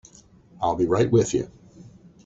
I'll be right with you.